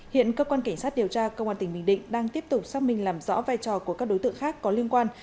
hiện cơ quan cảnh sát điều tra công an tỉnh bình định đang tiếp tục xác minh làm rõ vai trò của các đối tượng khác có liên quan